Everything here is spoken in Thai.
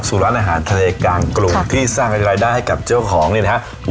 สู่ร้านอาหารทะเลกลางกรุงที่สร้างรายได้ให้กับเจ้าของนี่นะครับ